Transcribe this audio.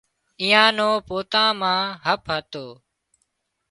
ايئان نو پوتان مان هپ هتو